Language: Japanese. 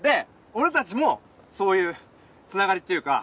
俺たちもそういうつながりっていうか。